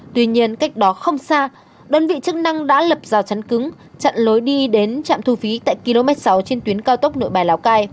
tuy nhiên cách đó không xa đơn vị chức năng đã lập rào chắn cứng chặn lối đi đến trạm thu phí tại km sáu trên tuyến cao tốc nội bài lào cai